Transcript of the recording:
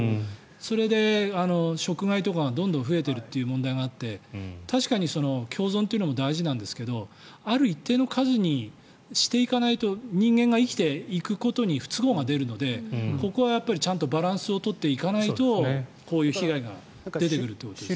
それで、食害とかがどんどん増えているという問題があって確かに共存というのも大事なんですけどある一定の数にしていかないと人間が生きていくことに不都合が出るのでここはやっぱりちゃんとバランスを取っていかないとこういう被害が出てくるってことですね。